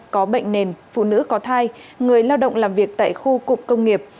có bệnh nền phụ nữ có thai người lao động làm việc tại khu cụm công nghiệp